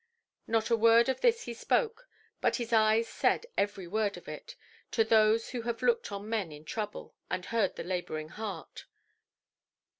Not a word of this he spoke, but his eyes said every word of it, to those who have looked on men in trouble, and heard the labouring heart.